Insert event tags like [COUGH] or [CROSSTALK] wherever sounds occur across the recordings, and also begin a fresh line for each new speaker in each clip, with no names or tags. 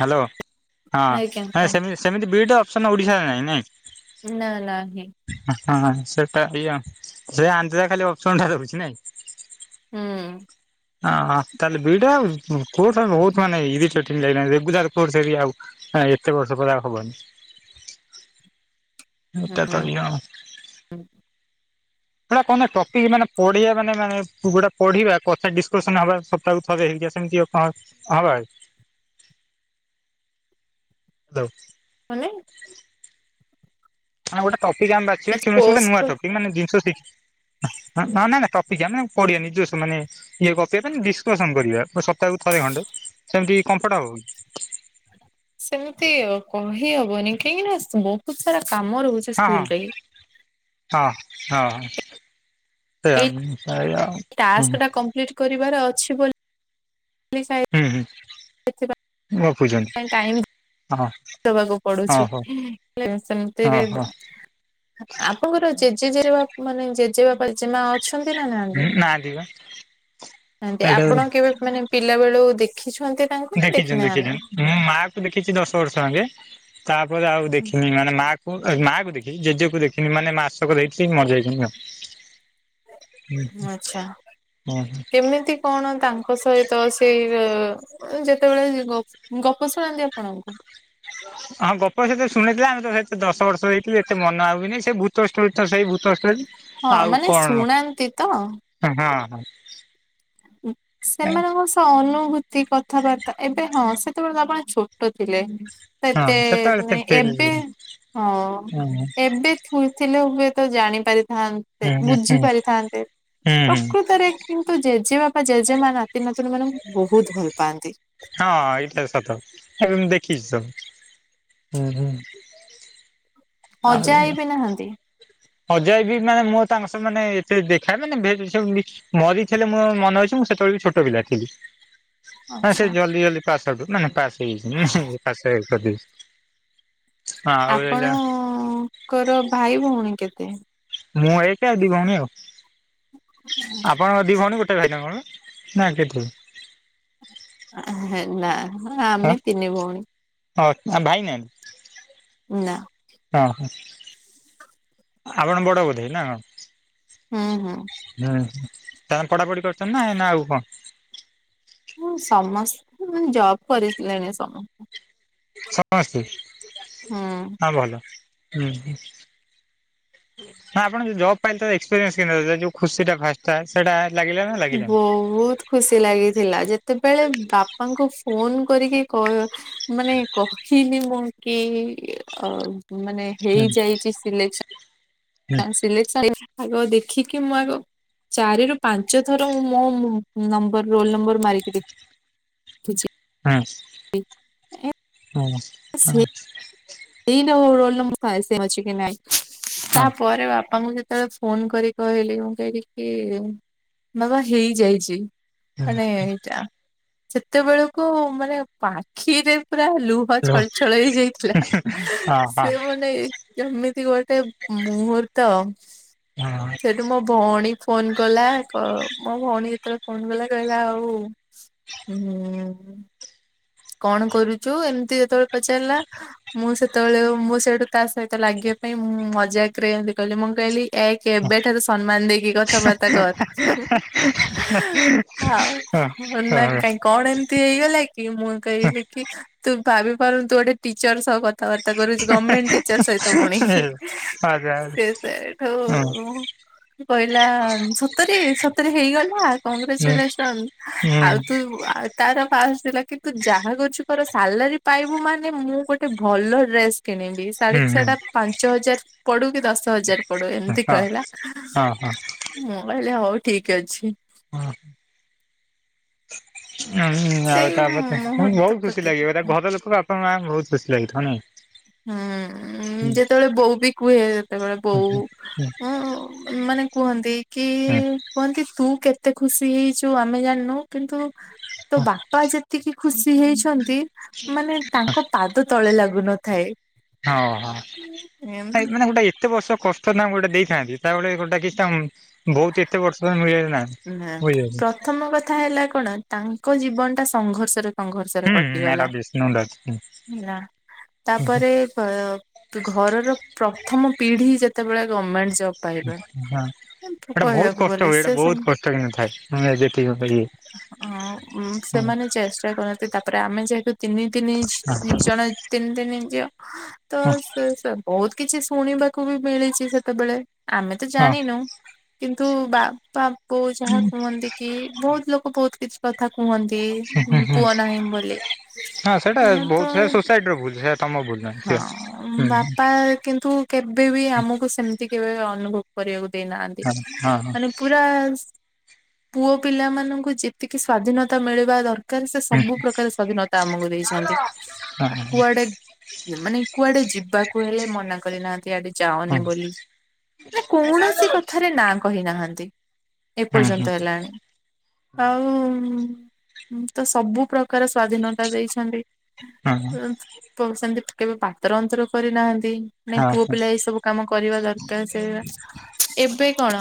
Hello
ଆଜ୍ଞା
ହଁଁ ହେ
କୁହନ୍ତୁ
ସେମ ସେମିତି ବିଟ ଅପସନ୍ ଓଡ଼ିଶାରେ ନାହିଁ ନାଇଁ।
ନା ନାହିଁ।
ହଁ ସେଟା ଇଏ ସେ ଆନ୍ଧ୍ରା ଖାଲି ଅପସନ ଟା ରହୁଛି ନାଇଁ।
ହୁଁ।
ହଁ ହଁ ତାହେଲେ ବିଟା ଉ [UNINTELLIGIBLE] ହଁ ଏତେ ବର୍ଷ ପରେ ଆଉ ହବନି। ଏଟା
ହୁଁ
ତ ଏଇଆ। ସେଟା କଣ ଟପିକ୍ ମାନେ ପଢିବା ମାନେ ମାନେ ଗୁଟା ପଢିବା କଥା ଡିସକସନ ହବା [UNINTELLIGIBLE] [UNINTELLIGIBLE]
[UNINTELLIGIBLE]
ମାନ ଗୋଟେ ଟପିକ ଆମେ ବାଛିବା
କିଛି
[UNINTELLIGIBLE] ଗୋଟେ
କୋର୍ସ
ନୂଆ
କ
ଟପିକ ମାନେ ଜିନିଷ ଶିଖ ନା ନାଇଁ ନା ଟପିକି ଆମେ ପଡିିବା ନିଜସ୍ ମାନେ ଇଏ କପ ପାଇଁ ଡିସକସନ କରିବା ସପ୍ତାହକୁ ଥରେ ଖଣ୍ଟେ ସେମିତି କମ୍ଫର୍ଟ ଆଉ।
ସେମିତି କହିହବନି କାହିଁକି ନା ବହୁତ ସାରା କାମ ରହୁଛି।
ହଁ
ସ୍କୁଲ
ହଁ
ରେ
ହଁ ହଁ ହ। ସେୟା
ଏଇ
ଏୟା ଆଉ। ହୁଁ
ଟାସ୍କ ଟା କମ୍ପ୍ଲିଟ କରିବାର ଅଛି ବୋଲି
ହୁଁ
ସେଥିପାଇଁ
ହୁଁ ଗପୁଛନ୍ତି
ଟାଇମ
ହଁ।
ଦବାକୁ
ହଁ
ପଡୁଛି
ହଉ ହଁ
ସେମିତିରେ
ହଁ
ଆପଣଙ୍କର ଜେଜେଜେଜେ ବାପା ମାନେ ଜେଜେ ବାପା ଜେମା ଅଛନ୍ତି ନା ନାହାନ୍ତୀ,
ନାହାନ୍ତି ବା।
ନାହାନ୍ତି
ସେଇଟା
ଆପଣ କେବେ ମାନେ ପିଲା ବେଳୁ ଦେଖିଛନ୍ତି ତାଙ୍କୁ ନା
ଦେଖିଛନ୍ତୀ
ଦେଖିନାହାନ୍ତି?
ଦେଖିଛନ୍ତୀ, ମୁଁ ମା କୁ ଦେଖିଛି ଦଶ ବର୍ଷ ଆଙ୍କେ ତାପରେ ଆଉ ଦେଖିନି ମାନେ ମା ମାକୁ ଦେଖିଚି, ଜେଜେକୁ ଦେଖିନି ମାନେ ମାସକର ହେଇଚି ମରଜାଇ ଛନ୍ତି, ଆଉ। ହୁଁ
ଆଚ୍ଛା
ହଁ।
କେମିତି କଣ ତାଙ୍କ ସହିତ ସେଇ ଯେତେବେଳେ ଗପ ଗପ ଶୁଣନ୍ତି ଆପଣ।
ହ ହଁ ଗପ ସ ସେତେ ଶୁନେଇଥିଲା ଆମେ ତ ସେତ ଦଶ ବର୍ଷ ହେଇଥିଲି, ଏତେ ମନ ହବୁନି ସେ ଭୂତ ଷ୍ଟୋରୀ ତ ସେଇ ଭୂତଷ୍ଟୋରି।
ହଁ
ଆଉ
ମାନେ
କଣ
ଶୁଣାନ୍ତି ତ?
ହଁ ହଁ।
ସେମାନଙ୍କ ଅନୁଭୂତି କଥାବାର୍ତ୍ତା ଏବେ ହଁ ସେତେବେଳେ ତ ଆପଣ ଛୋଟ ଥିଲେ।
ହଁ
ସେତେ
ସେତେବେଳେ ଏତେ ଫିଲ୍ ହୁଁ
ଏବେ ହଁ
ହୁଁ ହୁଁ
ଏବେ ଫୁଲ୍ ଥିଲେ ହୁଏ ତ ଜାଣି ପାରିଥାନ୍ତେ
ହୁଁ
ବୁଝି ପାରିଥାନ୍ତେ
ହୁଁ ହୁଁ
ପ୍ରକୃତରେ କିନ୍ତୁ ଜେଜେବାପା ଜେଜେମା ନାତି ନାତିୁଣୀ ମାନଙ୍କୁ ବହୁତ ଭଲ ପାଆନ୍ତି।
ହଁ ଏଇଟା ସତ ଏବେ ମୁଁ ଦେଖିଚି ସବୁ, ହୁଁ ହୁଁ।
ଅଜା ଆଇ ବିି ନାହାନ୍ତି।
ଅଜା ଆଇ ବି ମାନେ ମୁଁ ତାଙ୍କ ସହ ମାନେ ଏତେ ଦେଖାଏ ମାନେ [UNINTELLIGIBLE] ମରିଥିଲେ ମୋ ମନେ ଅଛି ମୁଁ ସେତେବେଳେ ବି ଛୋଟ ପିଲା ଥିଲି। ହଁ ସେ
ଆଚ୍ଛା
ଜଲ୍ଦି ଜଲଦି ପାସ ଆଉଟ୍ ମାନେ ପାସ୍ ହେଇଯାଇଛି ପାସ ଆଉଟ୍ କରିଦେଇ
ଆପଣଙ୍କର ଭାଇ ଭଉଣୀ କେତେ?
ମୁଁ ଏକ ଆଉ ଦି ଭଉଣୀ ଆଉ ଆପଣଙ୍କ ଦି ଭଉଣୀ ଗୋଟେ ଭାଇ ନା କଣ ନା କେତେ?
ନା
ହଁ
ଆମେ ତିନି ଭଉଣୀ।
ହଁ ଆ ଭାଇ ନାହାନ୍ତି?
ନା।
ହଁ ଆପଣ ବଡ ବୋଧେ ନା କଣ?
ହୁଁ ହୁଁ।
ହୁଁ ତା ପଢାପଢି କରୁଛନ୍ତି ନା ଆଉ କଣ?
ହଁ ସମସ୍ତେ ମାନେ ଜବ୍ କରିିଲେଣି ସମସ୍ତେ
ସମସ୍ତେ
ହୁଁ।
ହଁ ଭଲ ହୁଁ। ନା ଆପଣ ଯଉ ଜବ ପାଇଲେ ତ ଏକ୍ସପିରିଏନ୍ସ କେ ଯୋଉ ଖୁସି ଟା ଫାଷ୍ଟ ଥାଏ ସେଟା ଲାଗିଲା ନା? ଲାଗିଲାନି?
ବହୁତ ଖୁସି ଲାଗିଥିଲା ଯେତେବେଳେ ବାପାଙ୍କୁ ଫୋନ କରିକି କ ମାନେ କହିନି ମୁଁ କି ଅ ମାନେ
ହୁଁ
ହେଇଯାଇଛି
ହୁଁ
ସିଲେକ୍ସନ। ସିଲେକ୍ସନ୍ ଆଗ ଦେଖିକି ମୁଁ ଆଗ ଚାରି ରୁ ପାଞ୍ଚ ଥର ମୋ ନମ୍ବର ରୋଲ ନମ୍ବର ମାରିକି ଦେ
ହୁଁ ହୁଁ ହଁ।
ଏଇ ରୋଲ୍ ନଂ ଅଛି କି ନାଇଁ
ହଁ ହୁଁ।
ତାପରେ ବାପାଙ୍କୁ ଯେତେବେଳେ ଫୋନ କରି କହିଲି ମୁଁ କହିଲି କି ବାବା ହେଇଯାଇଛି। ମାନେ
ହ୍ୟାଲୋ
ଏଇଟା ସେତେବେଳକୁ ମାନେ ପାଖିରେ ପୁରା ଲୁ ଛଳଛଳ ହେଇ ଯାଇଥିଲା।
ହଁ ହଁ
ସେ ମାନେ କେମିତି ଗୋଟେ ମୁହୂର୍ତ୍ତ
ହଁ ହଁ
ସେଠୁ ମୋ ଭଉଣୀ ଫୋନ କଲା, କ ମୋ ଭଉଣୀ ଯେତେବେଳେ ଫୋନ କଲା କହିଲା ଆଉ ହୁଁ। କଣ କରୁଚୁ ଏମିତି ଯେତେବେଳେ ପଚାରିଲା ମୁଁ ସେତେବେଳେ ମୁଁ ସେଇଠୁ ତା ସହିତ ଲାଗିଆ ପାଇଁ ମଜାକରେ ଏମତି କହିଲି, ମୁଁ କହିଲି ଏଇକ ଏବେଠାରୁ ସମ୍ମାନ ଦେଇକି କଥାବାର୍ତ୍ତା କର। ଆଉ
ହଁ ଆଚ୍ଛା।
[UNINTELLIGIBLE] କଣ ଏମିତି ହେଇଗଲା କି, ମୁଁ କହିଲି କି ତୁ ଭାବି ପାରୁନୁ ତୁ ଗୋଟେ ଟିଚର ସହ କ ଥାବାର୍ତ୍ତା କରୁଚୁ ଗମେଣ୍ଟ ଟିଚର ସହିତ ପୁଣି,
ହୁଁ ହୁଁ ହୁଁ
ସେ ସେଇଠୁ କହିଲା ସତରେ ସତରେ ହେଇଗଲା କଂଗ୍ରାଚୁଲେସନ, ଆଉ ତୁ ଆ ତାର ପାସ ଥିଲା କି ତୁ ଯାହା କରଚୁ କର, ସାଲାରୀ ପାଇବୁ ମାନେ ମୁଁ ଗୋଟେ ଭଲ ଡ୍ରେସ୍ କିଣିବି ସାରିକ
ହୁଁ
ସେଟା
ହୁଁ
ପାଞ୍ଚ ହଜାର ପଡୁ କି ଦଶ ହଜାର ପଡୁ ଏମତି କହିଲା।
ହଁ ହଁ
ମୁଁ କହିଲି ହଉ ଠିକ ଅଛି।
ହଁ। ଉଁ ହୁଁ ଆଉ
ସେଇ
ତାପରେ
ମୁହୂର୍ତ୍ତ
ବହୁତ ଖୁସି
ପ୍ରତି
ଲାଗିବରେ
ହୁଁ
ଘରଲୋକ ବାପା ମାଆ ବହୁତ ଖୁସି ଲାଗିଥିବ ନାଇଁ?
ହୁଁ
ହୁଁ
ଯେତେବେଳେ ବୋଉ ବି କୁହେ ଯେତେବେଳେ
ହୁଁ
ବୋଉ
ହଁ
[UNINTELLIGIBLE] ମାନେ କୁହନ୍ତି କି କୁହନ୍ତି ତୁ କେ କେତେ ଖୁସି ହେଇଚୁ ଆମେ ଜାଣିନୁ, କିନ୍ତୁ ତୋ ବାପା ଯେତିକି ଖୁସି ହେଇଛନ୍ତି ମାନେ ତାଙ୍କ ପାଦ ତଳେ ଲାଗୁନଥାଏ। ଏମ୍
ଓହୋ ମାନେ ଗୋଟେ ଏତେ ବର୍ଷ କଷ୍ ଷ୍ଟ [UNINTELLIGIBLE] ଗୋଟେ ଦେଇଥାନ୍ତି [UNINTELLIGIBLE] ଗୋଟେ କିଛି ତାଙ୍କୁ ବହୁତ ଏତେ ବର୍ଷରେ ମିଳେ।
ନା
ବୁଝିପାରୁଛ
ପ୍ରଥମ କଥା ହେଲା କଣ ତାଙ୍କ ଜୀବନଟା ସଂଘର୍ଷରେ ସଂଘର୍ଷରେ
ହୁଁ ଏଟା
କଟିଗଲା
ବିଷ୍ଣୁ ଡାକ ହୁଁ
ହେଲା ତାପରେ [UNINTELLIGIBLE] ଘରର ପ୍ରଥମ ପିଢି ଯେତେବେଳେ ଗମେଣ୍ଟସ
ହଁ ଏଇଟା ବହୁତ
କହିବାକୁ
କଷ୍ଟ
ଗଲେ
ହୁଏ
ସେ
ଏଇଟା
ସମ
ବହୁତ କଷ୍ଟ ହେଇ ନଥାଏ, ମୁଁ [UNINTELLIGIBLE] ଯେତିକି ଇଏ।
ହଁ ଉଁ
ହଁ
ସେମାନେ ଚେଷ୍ଟା କରନ୍ତି ତାପରେ ଆମେ ଯେହେତୁ ତିନି ତିନି ଝି
ହଁ
[UNINTELLIGIBLE] ଜଣେ ତିନି ତିନି ଝିଅ, ତ
ହଁ
ତ ସେ ବହୁତ କିଛି ଶୁଣିବାକୁ ବି ମିଳିଛି ସେତେବେଳେ, ଆମେ ତ ଜାଣିନୁ କିନ୍ତୁ ବାପା ବୋଉ ଯାହା କୁହନ୍ତି କି, ବହୁତ ଲୋକ ବହୁତ କିଛି କଥା କୁହନ୍ତି,
ହୁଁ
ପୁଅ ନାହିଁ ବୋଲି।
ହଁ ସେଇଟା
ଆମର ତ
ବହୁତ ସେ ସୋସାଇଟିର ଭୁଲ ସେ ତମ ଭୁଲ ନାହିଁ ସେ
ହଁ
ହୁଁ
ବାପା କିନ୍ତୁ କେବେ ବି ଆମକୁ ସେମିତି କେବେ ଅନୁଭବ କରିଆକୁ ଦେଇନାହାନ୍ତି,
ହଁ ହଁ
ମାନେ ପୁରା ପୁଅପିଲା ମାନଙ୍କୁ ଯେତିକି ସ୍ଵାଧୀନତା ମିଳିବା ଦର କାର ସେ
ହଁ
ସବୁ ପ୍ରକାର ସ୍ୱାଧୀନତା ଆମକୁ ଦେଇଛନ୍ତି,
ହଁ
ଆ କୁଆଡେ ମାନେ କୁଆଡେ ଯିବାକୁ ହେଲେ ମନା କରିନାହାଁନ୍ତି ଆଡେ ଯାଅନି ବୋଲି। ମାନେ କୌଣସି କଥାରେ ନାଁ କହିନାହାଁନ୍ତି।
ହଁ
ଏପର୍ଯ୍ୟନ୍ତ ହେଲାଣି, ଆଉ ଉଁ ତ ସବୁ ପ୍ରକାର ସ୍ଵାଧୀନତା ଦେଇଛନ୍ତି।
ହଁ।
ପ ସେମିତି କେବେ ପାତର ଅନ୍ତର କରିନାହାଁନ୍ତି। ନାଇଁ
ହଁ
ପୁଅ ପିଲା ଏଇ ସବୁ କାମ କରିବା ଦରକାର। ଏବେ କଣ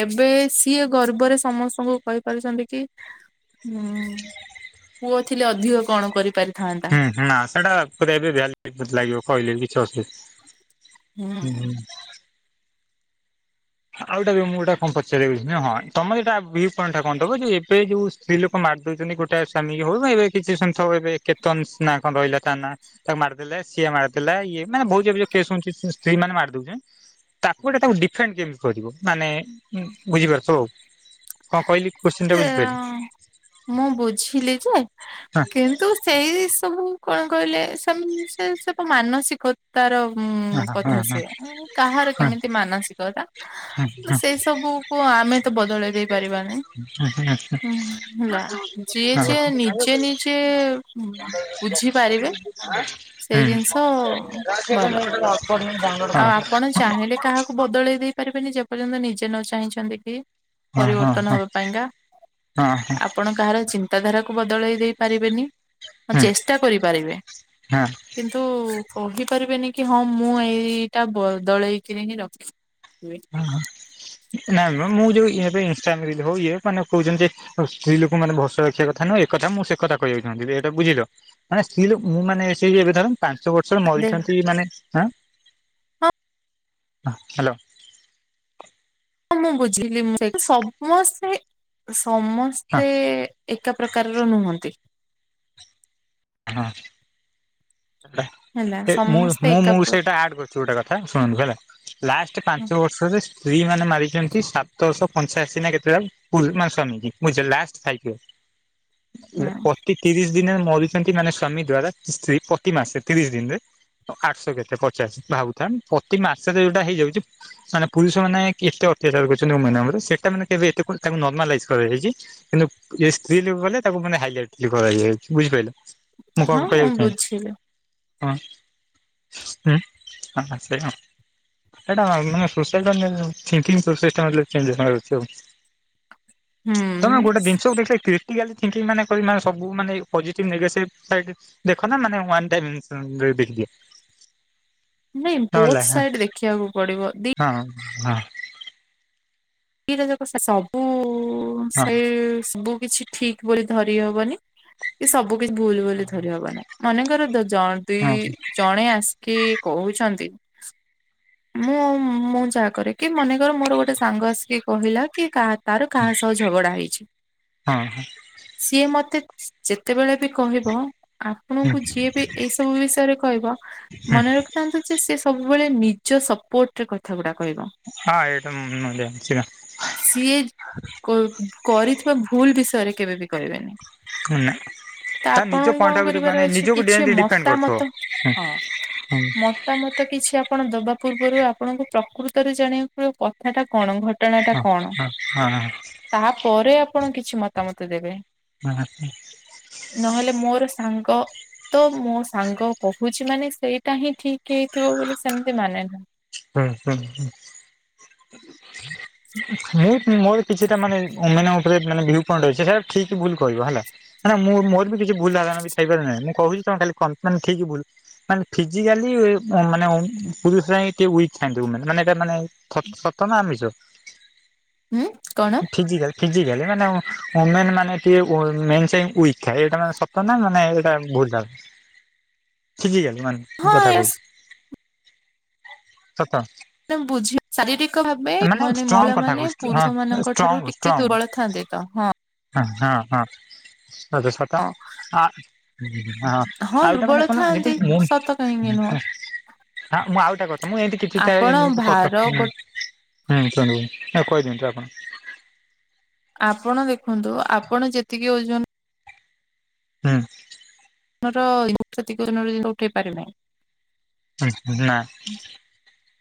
ଏବେ ସିଏ ଗର୍ବରେ ସମସ୍ତଙ୍କୁ କହିପାରୁଛନ୍ତି କି ଉଁ ପୁଅ ଥିଲେ ଅଧିକ କଣ କରିପାରିଥାନ୍ତି।
ହୁଁ ନା ସେଟା [UNINTELLIGIBLE] ଲାଗିବ କହିଲେ ବି କିଛି ଅସୁ
ହୁଁ।
ଆଉଟା ବି ମୁଁ ଗୋଟା କଁ ପଚାରି ବୁଝିନି ହଁ, ତମେ ଯେଟା ଭି ପଏଣ୍ଟ ଟା କଣ ଦବ କି ଏବେ ଯୋଉ ସ୍ତ୍ରୀ ଲୋକ ମାରି ଦଉଛନ୍ତି ଗୋଟେ ସ୍ୱାମୀ ହଉ ଏବେ କିଛି ସନ୍ଥକ ଏବେ କେତନ ନା କଣ ରହିଲା ତା ନା। ତାକୁ ମାରିଦେଲେ ସିଏ ମାରିଦେଲେ ଇଏ ମାନେ ବହୁତଉ ହୁ ସ୍ତ୍ରୀ ମାନେ ମାରି ଦେଉଚ୍ଛନ୍ତି। ତାକୁ ଗୋଟେ ତାକୁ ଡିଫରେଣ୍ଟ କେମିତି କରିବ ମାନେ ବୁଝିପାରୁଥିବ। କଣ କହିଲି କୋଶ୍ଚିନ୍ ଟା
ସେ
ବୁଝିପାରିଲେ?
ମୁଁ ବୁଝିଲି ଯେ।
ହଁ।
କିନ୍ତୁ ସେଇ ସବୁ କଣ କହିଲେ ସେ ସେ ସବୁ ମାନସିକ ତାର ଉ
ହଁ ହଁ
କଥା
ହଁ
ସି କାହାର
ହଁ
କେମିତି ମାନସିକତା
ହଁ
ସେଇ ସବୁକୁ ଆମେ ତ ବଦଳେଇ ଦେଇ ପାରିବାନି। ହୁଁ ହେଲା ଯିଏ
ହ
ଯିଏ ନିଜେ ନିଜେ ଉଁ,
ହୁଁ।
ବୁଝିପାରିବେ ସେଇ ଜିନିଷ
ପ
ଭଲ ଆଉ ଆପଣ
ବାଙ୍ଗଲୋ
ଚାହିଁଲେ କାହାକୁ ବଦଳେଇ ଦେଇ ପାରିବେନି ଯେ ପର୍ଯ୍ୟନ୍ତ ନିଜେ ନ ଚାହିଁଛନ୍ତି କି।
ହଁ
ପରିବର୍ତ୍ତନ ହବା ପାଇଁକା ଆପଣ କାହାର ଚିନ୍ତାଧାରାକୁ ବଦଳେଇ ଦେଇ ପାରିବେନି
ହଁ
ଚେଷ୍ଟା କରିପାରିବେ।
ହଁ
କିନ୍ତୁ କହିପାରିବେନି କି ହଁ ମୁଁ ଏଇଟା ବଦଳେଇକିରି ହିଁ ରଖି ହୁଁ
ନାଇ ମ ମୁଁ ଯୋଉ ଏବେ ଇନଷ୍ଟା ରିଲ୍‌ ହଉ ଇଏ ମାନେ କହୁଛନ୍ତି ଯେ ଆଉ ସ୍ତ୍ରୀ ଲୋକ ମାନ ଭରସା ରଖିବା କଥା ନୁହଁ ଏକଥା ମୁଁ ସେ କଥା କହିବାକୁ ଚାହୁଥିଲି ଏଇଟା ବୁଝିଲ। ମାନେ ସ୍ତ୍ରୀ ଲୋକ ମୁଁ ମାନେ ସେଇ ଏବେ ଧର,। ପାଞ୍ଚ ବର୍ଷ
ଦେ
ମରିଛନ୍ତି ମାନେ ହଁ ହାଲ
ହଁ ମୁଁ ବୁଝିଲି ମୁଁ ସେ ସମସ୍ତେ
ହଁ
ସମସ୍ତେ ଏକା ପ୍ରକାରର ନୁହନ୍ତି।
ହଁ।
ହେଲା
ହେ ମୁଁ
ସମସ୍ତେ
ମୁଁ
ଏକା
ମୁଁ
ହୁଁ
ସେଇଟା ଆଡ୍ କରି। ଯ ଗୋଟା କଥା ଶୁଣନ୍ତୁ ହେଲା ଲାଷ୍ଟ ପାଞ୍ଚ ବର୍ଷରେ ସ୍ତ୍ରୀ ମାନେ ମାରିଛନ୍ତି ସାତଶହ ପଞ୍ଚାଅଶୀ ନା କେତେ ଜଣ ମାନ ସଵାମୀ [UNINTELLIGIBLE] ଲାଷ୍ଟ ଫାଈପ୍ ଇଏର। ପ୍ରତି ତିରିଶ ଦିନ ମରୁଛନ୍ତି ମାନେ ସ୍ଵାମୀ ଦ୍ଵାରା ସ୍ତ୍ରୀ ପ୍ରତି ମାସେ ତିରିଶ ଦିନରେ ଆଠଶହ କେତେ ପଚାଶ ଭାବୁଥାନ୍ ପ୍ରତି ମାସରେ ଯୋଉଟା ହେଇଯାଉଛି ମାନେ ପୁରୁଷ ମାନେ ଏତେ ଅତ୍ୟାଚାର କରୁଛନ୍ତି ମାନେ ସେଟା ମାନେ କେବେ ତାକୁ ନର୍ମାଲାଇଜ କରାଯାଇଛି। କିନ୍ତୁ ଏ ସ୍ତ୍ରୀ ଲୋକ କଲେ ତାକୁ ମାନେ ହାଇଲାଇଟ କରାଜାଉଛି ବୁଝିପାଇଲ।
ହଁମୁ ବୁଝିଲି।
ହଁ ହୁଁ ଆଉ ଷାଠିଏ ଜଣ। [UNINTELLIGIBLE] ସେଟା ମାନେ। [UNINTELLIGIBLE] ତମେ
ହୁଁ।
ଗୋଟେ ଦିନଷକୁ ଦେଖିଲେ କି [UNINTELLIGIBLE] ସବୁ ମାନେ ପଜେଟିଭ ନେଗେସିଭ୍ ଟାଇଟ ଦେଖ ନା ମାନେ ୱାନ [UNINTELLIGIBLE]
ନାଇଁ
ହଁ
ବୋଥ୍
ହଁ
ସାଇଟ୍ ଦେଖିବାକୁ ପଡ଼ିବ। ଦି
ହଁ ହ।
ଦିଟା ଯାକ ତ ସବୁଉ
ହଁ
ସେଇ ସବୁକିଛି ଠିକ୍ ବୋଲି ଧରି ହବନି। କି ସବୁ କିଛି ଭୁଲ୍ ବୋଲି ଧରି ହବନି। ମନେକର ତ ଜଦି
ହଁ
ଇ ଜଣେ ଆସି କି କହୁଛନ୍ତି ମୁଁ ମୁଁ ଯାହାକରେ। କି ମନେକର ମୋର ଗୋଟେ ସାଙ୍ଗ ଆସିକି କହିଲା କି କାହା ତାର କାହାସହ ଝଗଡ଼ା ହେଇଛି।
ହଁ
ସିଏ ମତେ ଯେତେବେଳେ ବି କହିବ ଆପଣଙ୍କୁ ଯିଏବି ଏଇସବୁ ବିଷୟରେ କହିବ। ମନେ ରଖିଥାନ୍ତୁ ଯେ ସେ ସବୁବେଳେ ନିଃ ନିଜ ସପୋର୍ଟ ରେ କଥା ଗୁଡ଼ା କହିବ।
ହଁ। [UNINTELLIGIBLE]
ସିଏ କୋ କରିଥିବା ଭୁଲ ବିଷୟରେ କେବେ ବି କହିବେନି।
ଉଁ ନା।
ତ ଆପଣଙ୍କୁ କଣ କରିବାର ଅଛି। କିଛି
ଯେମିତି ଡିପେଣ୍ଡ କରୁଥିବ।
ମତାମତ ହଁ ମ ମତାମତ କିଛି ଆପଣ ଦବା ପୂର୍ବରୁ ଆପଣଙ୍କୁ ପ୍ରକୃତରେ ଜାଣିବାକୁ ମିଳିବ କଥାଟା କଣ ଘ ଟଣା ଟା କଣ, ତାହା ପରେ ଆପଣ କିଛି ମତାମତ ଦେବେ।
[UNINTELLIGIBLE]
ନହେଲେ ମୋର ସାଙ୍ଗ ତ ମୋ ସାଙ୍ଗ କହୁଛି ମାନେ ସେଇଟା ହିଁ ଠିକ୍ ହେଇଥିବ ବୋଲି ସେମିତି ମାନେ ନା
ହୁଁ ହୁଁ [INAUDIBLE] ମୁଁ ମୋର କିଛିଟା ମାନେ [UNINTELLIGIBLE] ଠିକ୍ ଭୁଲ୍ କହିବ ହେଲା। ନା ନା ମୁଁ ମୋର ବି କିଛି ଭୁଲ ଧାରଣା ଥାଇ ପାରେ ନା ମୁଁ କୋହୁଚି ତମେ କନ୍ ଫାନ୍ ଠିକ୍ ଭୁଲ୍ ମାନେ ଫିଜିକାଲିଇ ଓମ୍ ମାନେ ଓମ୍ [UNINTELLIGIBLE] ଟିକେ ଉଇକ୍ ଥାଆନ୍ତି ଯଉମାନେ ମାନେ ଏଟା ମାନେ ସତ ନା ଆମିଷ।
ହୁଁ କଣ?
ଫିଜିକାଲ୍ ଫିଜିକାଲି ମାନେ ଓ ଓମେନ୍ ମାନେ କିଏ ଓଏ ମେନ୍ସ୍ ରେ ଉଇକ୍ ଥାଏ। ଏଟା ମାନେ ସତ ନା ମାନେ ଭୁଲ୍ ଧାର
[INAUDIBLE]
ଫିଜିକାଲି ମାନେ ମୁଁ
ହଁ
କଥା
ୟସ୍
କହୁଚି। ସତ।
ତ ବୁଝି ଶାରୀରିକ ଭାବେ ମାନେ
ଷ୍ଟ୍ରଙ୍ଗ
ମହିଳା
କଥା
ମାନେ
କହୁଛି ହଁ
ପୁରୁଷ ମାନଙ୍କ ଠାରୁ
ଷ୍ଟ୍ରଙ୍ଗ
ଟିକେ
ଷ୍ଟ୍ରଙ୍ଗ
ଦୁର୍ବଳ ଥାନ୍ତି ତ ହଁ।
ହଁ ହଁ ହଁ ସଦୁ ସତ
ହଁ
ଆ ହଁ ଆଉତା
ଦୁର୍ବଳ
ମାନେ କଣ ଜେମ୍ତି
ଥାଆନ୍ତି
ମୁଁ ହିଁ
ସତ କାହିଁକି ନୁହଁ
ଆ ମୁଁ ଆଉ [UNINTELLIGIBLE]
ଆପଣ
ହୁଁ
ଭାର ଗୋ
ଶୁଣିବି ତାକୁ କଇଦିଅନ୍ତୁ ଆପଣ।
ଆପଣ ଦେଖନ୍ତୁ ଆପଣ ଯେତିକି ଓଜନ
ହୁଁ।
[UNINTELLIGIBLE]
[UNINTELLIGIBLE]
[INAUDIBLE]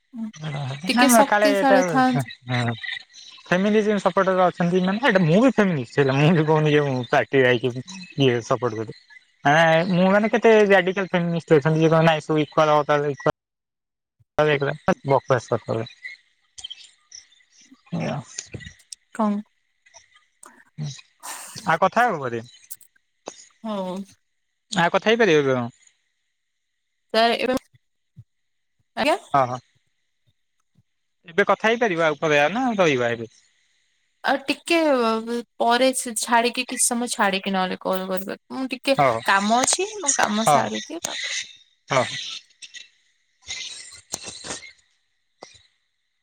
ଟିକେ
[UNINTELLIGIBLE] କାଳେ ଏଟା
ଶକ୍ତିଶାଳୀ ଥାଆନ୍ତି
[UNINTELLIGIBLE] ଫ୍ୟାମିଲିରେ ସପୋଟର ଅଛନ୍ତି। ମାନେ ହେଟା ମୁଁ ବି ଫ୍ୟାମିଲି ସେଟା ମୁଁ ବି କହୁନି ଯେ [UNINTELLIGIBLE] ଇଏ ସପଟ୍ କରିବ। ଆଁ ଆଏ ମୁଁ ମାନେ କେତେ [UNINTELLIGIBLE] [UNINTELLIGIBLE] [INAUDIBLE]
କଂ
ଆଉ କଥା ହେବୁ ପରେ।
ହୁଁ।
ଆ କଥା ହେଇପାରିବ।
ସାର୍ ଏବେ ଆଜ୍ଞା
ହଁ। ଏବେ କଥା ହେଇପାରିବା ପଳେଇବା ନା ରହିବା ଏବେ।
ଆ ଟିକେ ପରେ ଛା ଛାଡିକି କିଛି ସମୟ ଛାଡିକି ନହେଲେ କଲ୍ କରିବା। ମୁଁ ଟିକେ
ହଉ
କାମ ଅଛି ମୁଁ କାମ
ହଉ
ସାରିଦିଏ ତାପରେ।
[UNINTELLIGIBLE]